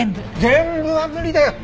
全部は無理だよ！